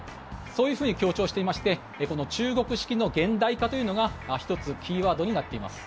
そういうふうに強調していましてこの中国式の現代化というのが１つキーワードになっています。